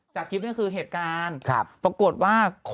จากคลิปนี้คือเหตุการณ์ปรากฏว่า